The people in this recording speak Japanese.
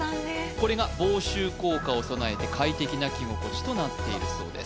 これが防臭効果を備えて快適な着心地となっているそうです